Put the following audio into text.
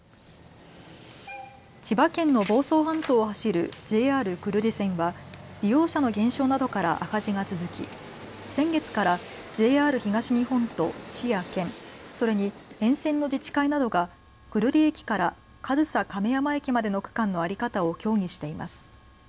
千葉県の房総半島を走るＪＲ久留里線は利用者の減少などから赤字が続き先月からＪＲ東日本と市や県、それに沿線の自治会などが久留里駅から上総亀山駅までの区間の在り方を協議しています。